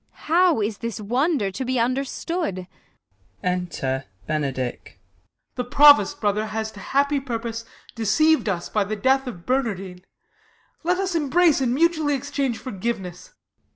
How is this wonder to be understood ? Ente) Benedick. Ben. The Provost, brother, has to happy pur pose Deceiv'd us by the death of Bernardine. Let us embrace and mutually exchange Forgiveness